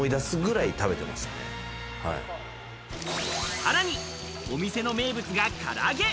さらに、お店の名物が、から揚げ！